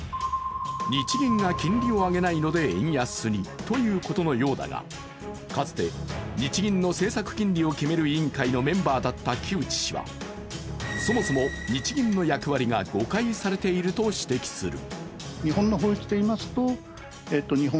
日銀が金利を上げないので円安にということのようだがかつて日銀の政策金利を決めるメンバーだった木内氏はそもそも日銀の役割が誤解されていると指摘する。